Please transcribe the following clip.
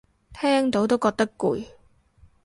聽到都覺得攰